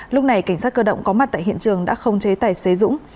lúc này cảnh sát cơ động có mặt tại hiện trường đã không chế tài xế dũng